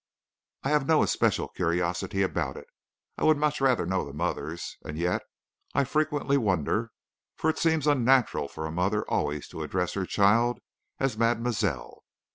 I have no especial curiosity about it I would much rather know the mother's, and yet I frequently wonder; for it seems unnatural for a mother always to address her child as mademoiselle.